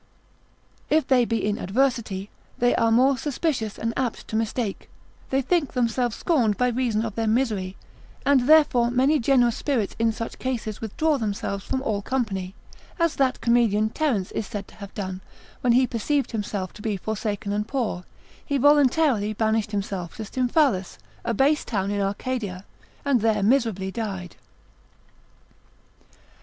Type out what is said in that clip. If they be in adversity, they are more suspicious and apt to mistake: they think themselves scorned by reason of their misery: and therefore many generous spirits in such cases withdraw themselves from all company, as that comedian Terence is said to have done; when he perceived himself to be forsaken and poor, he voluntarily banished himself to Stymphalus, a base town in Arcadia, and there miserably died.